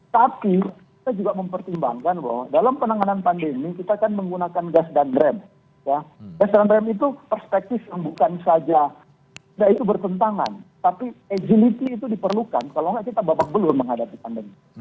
tapi kita juga mempertimbangkan bahwa dalam penanganan pandemi kita kan menggunakan gas dan rem gas rem rem itu perspektif yang bukan saja bertentangan tapi agility itu diperlukan kalau enggak kita babak belur menghadapi pandemi